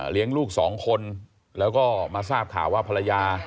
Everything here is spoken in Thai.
ลูกสองคนแล้วก็มาทราบข่าวว่าภรรยา